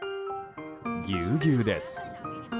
ぎゅうぎゅうです。